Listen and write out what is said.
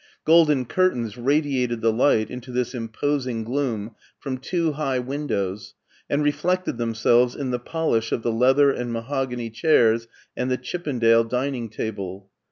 Golden curtains radi ated the light into this imposing gloom from two high windows, and reflected themselves in the polish of the leather and mahogany chairs and the Chippendale din ing table.